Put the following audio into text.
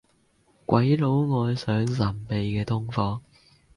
鬼佬愛上神秘嘅東方